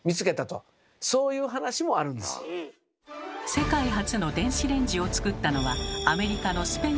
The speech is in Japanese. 世界初の電子レンジを作ったのはアメリカのスペンサー博士。